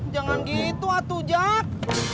jangan gitu atu jak